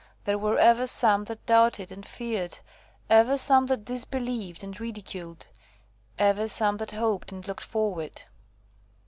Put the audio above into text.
There were ever some that doubted and feared, ever some that disbelieved and ridiculed, ever some that hoped and looked forward.